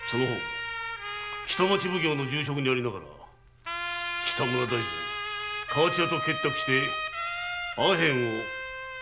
北町奉行の重職にありながら北村大膳河内屋と結託しアヘンを密造密売。